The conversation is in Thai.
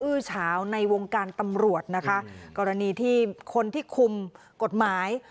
ื้อเฉาในวงการตำรวจนะคะกรณีที่คนที่คุมกฎหมาย